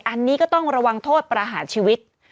อันนี้ก็ต้องระวังโทษประหารชีวิต